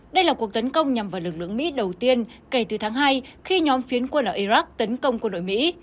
đây là cuộc tấn công nhằm vào lực lượng mỹ đầu tiên kể từ tháng hai khi nhóm phiến quân ở iraq tấn công quân đội mỹ